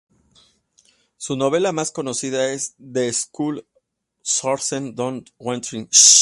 Su novela más conocida es "They Shoot Horses, Don't They?